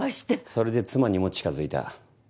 それで妻にも近づいた？